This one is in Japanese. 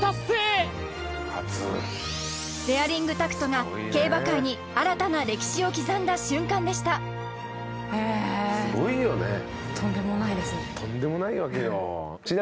デアリングタクトが競馬界に新たな歴史を刻んだ瞬間でしたへえすごいよねとんでもないですね